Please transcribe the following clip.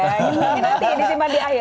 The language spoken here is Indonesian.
nanti disimpan di akhir